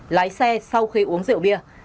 lái xe sau khi uống rượu bia